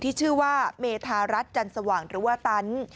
ที่ชื่อว่าเมทารัยจันทร์สว่างธุรวตัน